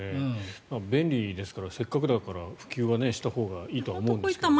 便利ですからせっかくだから普及はしたほうがいいと思うんですけどね。